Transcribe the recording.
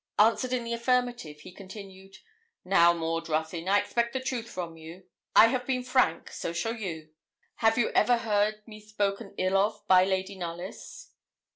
Answered in the affirmative, he continued 'Now, Maud Ruthyn, I expect the truth from you; I have been frank, so shall you. Have you ever heard me spoken ill of by Lady Knollys?'